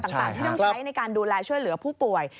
ต่างที่ต้องใช้ในการดูแลช่วยเหลือผู้ป่วย